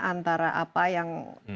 antara apa yang